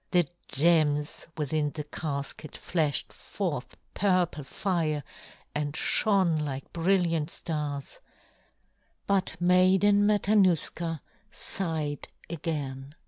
The gems within the casket flashed forth purple fire and shone like brilliant stars; but Maiden Matanuska sighed again.